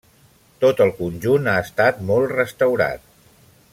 Tot el conjunt ha estat molt restaurat.